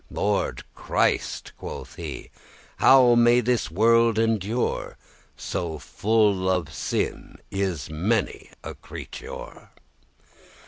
Lord Christ," quoth he, "how may this world endure? So full of sin is many a creature.